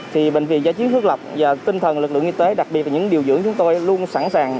thì bệnh viện giải trí thức lập và tinh thần lực lượng y tế đặc biệt là những điều dưỡng chúng tôi luôn sẵn sàng